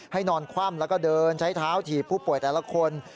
นอนคว่ำแล้วก็เดินใช้เท้าถีบผู้ป่วยแต่ละคน